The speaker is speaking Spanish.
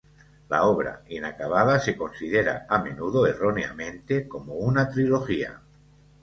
La obra, inacabada, se considera a menudo, erróneamente, como una trilogía.